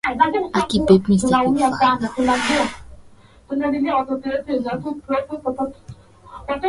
na Kirusi Kuna pia maeneo huru ya pekee yenye Mchoro wa Ivan Eggink